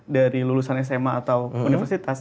dari lulusan sma atau universitas